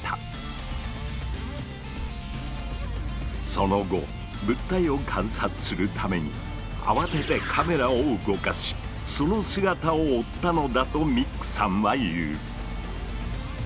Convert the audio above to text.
その後物体を観察するために慌ててカメラを動かしその姿を追ったのだとミックさんは言う。